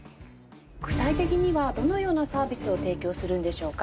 具体的にはどのようなサービスを提供するんでしょうか？